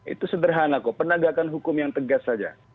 itu sederhana kok penegakan hukum yang tegas saja